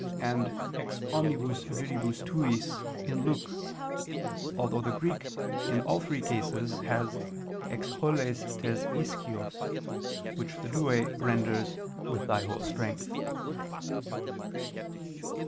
and "ex omnibus viribus tuis" (Luke), although the Greek in all three cases has ex holes tes ischyos, which the Douay renders "with thy whole strength."